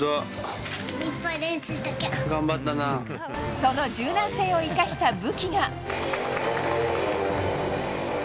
その柔軟性を生かした武器が。